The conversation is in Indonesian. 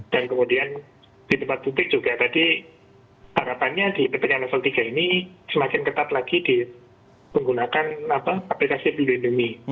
dan kemudian di tempat pupik juga tadi harapannya di ppkm level tiga ini semakin ketat lagi di menggunakan aplikasi blue indomie